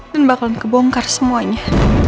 dan bakal kebongkar semuanya